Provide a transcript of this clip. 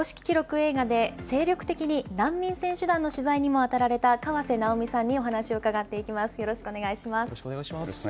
映画で、精力的に難民選手団の取材にも当たられた河瀬直美さんにお話を伺っていきます、よろしくお願いします。